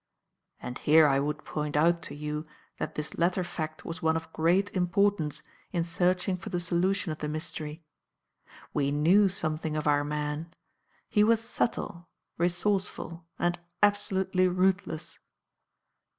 "And here I would point out to you that this latter fact was one of great importance in searching for the solution of the mystery. We knew something of our man. He was subtle, resourceful, and absolutely ruthless.